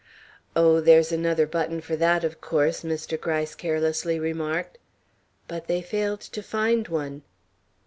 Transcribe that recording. "Oh, there's another button for that, of course," Mr. Gryce carelessly remarked. But they failed to find one.